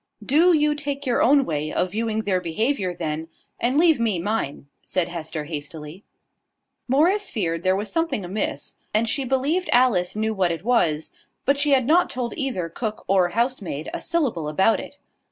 "Do you take your own way of viewing their behaviour, then, and leave me mine," said Hester hastily. Morris feared there was something amiss; and she believed Alice knew what it was: but she had not told either cook or housemaid a syllable about it.